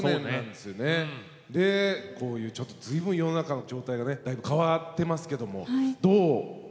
でこういうちょっと随分世の中の状態がねだいぶ変わってますけどもどうお感じになってますか？